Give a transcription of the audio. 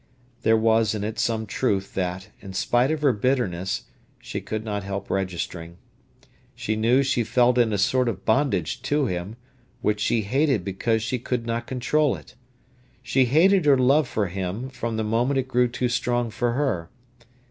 There was in it some truth that, in spite of her bitterness, she could not help registering. She knew she felt in a sort of bondage to him, which she hated because she could not control it. She hated her love for him from the moment it grew too strong for her.